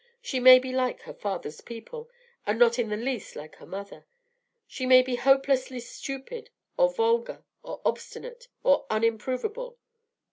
She may be like her father's people, and not in the least like her mother; she may be hopelessly stupid or vulgar or obstinate or un improvable.